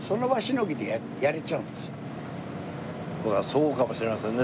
そうかもしれませんね